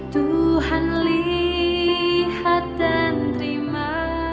tuhan lihat dan terima